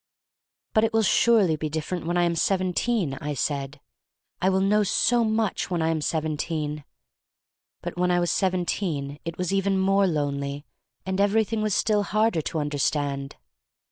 But it will surely be different when I am seventeen, I said. I will know so much when I am seventeen. But when 200 THE STORY OF MARY l^AC LANE 201 I was seventeen it was even more lonely, and everything was still harder to understand.